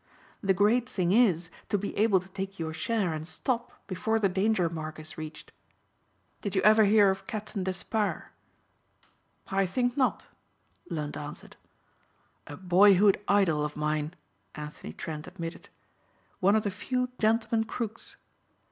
The great thing is to be able to take your share and stop before the danger mark is reached. Did you ever hear of Captain Despard?" "I think not," Lund answered. "A boyhood idol of mine," Anthony Trent admitted. "One of the few gentleman crooks.